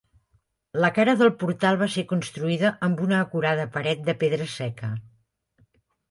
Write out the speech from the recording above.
La cara del portal va ser construïda amb una acurada paret de pedra seca.